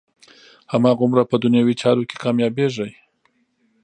هماغومره په دنیوي چارو کې کامیابېږي.